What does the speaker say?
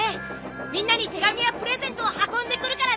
みんなに手紙やプレゼントを運んでくるからね！